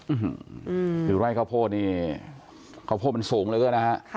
อื้อหือถือไว้ข้าวโพ่นี่ข้าวโพ่มันสูงเหลือนะฮะ